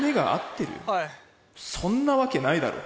そんなわけないだろ」。